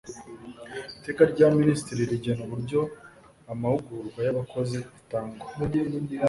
iteka rya minisitiri rigena uburyo amahugurwa y abakozi atangwa